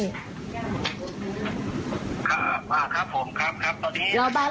ครับครับผมครับครับ